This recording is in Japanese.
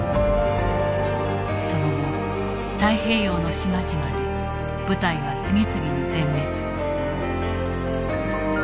その後太平洋の島々で部隊は次々に全滅。